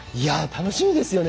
楽しみですよね